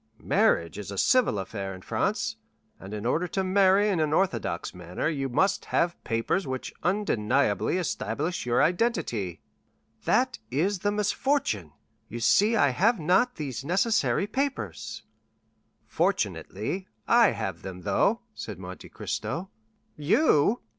Marriage is a civil affair in France, and in order to marry in an orthodox manner you must have papers which undeniably establish your identity." "That is the misfortune! You see I have not these necessary papers." "Fortunately, I have them, though," said Monte Cristo. "You?"